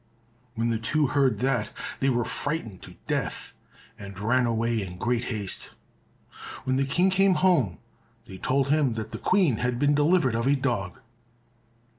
When the two heard that, they were frightened to death, and ran away in great haste. When the King came home they told him that the Queen had been delivered of a dog.